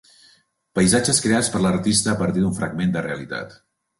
Paisatges creats per l’artista a partir d’un fragment de realitat.